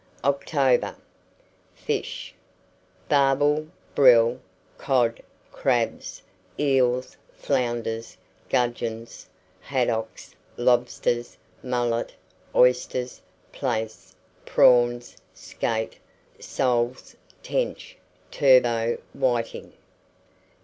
OCTOBER. FISH. Barbel, brill, cod, crabs, eels, flounders, gudgeons, haddocks, lobsters, mullet, oysters, plaice, prawns, skate, soles, tench, turbot, whiting.